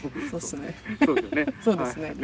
そうですね。